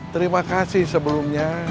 terima kasih sebelumnya